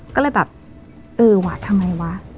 ก็เลยแบบเออวะทำไมวะ